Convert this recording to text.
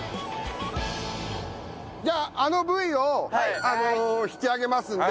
じゃああのブイを引き揚げますので。